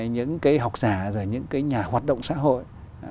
những cái học giả rồi những cái nhà hoạt động xã hội